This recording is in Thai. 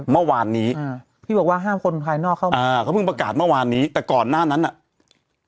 เมื่อวานนี้อ่าพี่บอกว่าห้ามคนภายนอกเข้ามาอ่าเขาเพิ่งประกาศเมื่อวานนี้แต่ก่อนหน้านั้นอ่ะ